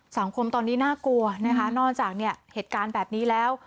สังคมตอนนี้น่ากลัวนะคะนอกจากเนี่ยเหตุการณ์แบบนี้แล้ว